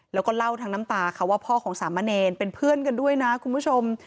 แล้วก็เล่าทางน้ำตาค่ะว่าพ่อของสามะเนรเป็นเพื่อนกันด้วยนะคุณผู้ชม